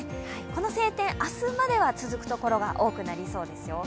この晴天、明日までは続くところが多くなりそうですよ。